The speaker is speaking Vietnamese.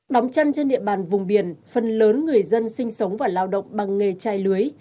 đóng chân trên địa bàn vùng biển phần lớn người dân sinh sống và lao động bằng nghề chai lưới